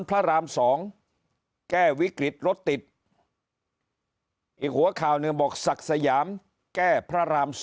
พระราม๒แก้วิกฤตรถติดอีกหัวข่าวหนึ่งบอกศักดิ์สยามแก้พระราม๒